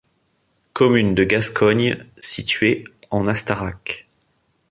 Commune de Gascogne située en Astarac.